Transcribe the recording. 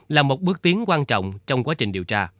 là một bước tiến quan trọng trong quá trình điều tra